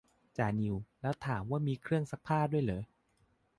จ่านิว แล้วถามว่ามีเครื่องซักผ้าด้วยเหรอ